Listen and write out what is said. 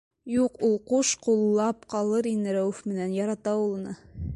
Юҡ, ул ҡуш ҡуллап ҡалыр ине Рәүеф менән, ярата ул уны.